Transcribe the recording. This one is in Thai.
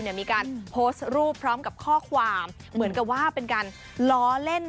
มีการโพสต์รูปพร้อมกับข้อความเหมือนกับว่าเป็นการล้อเล่น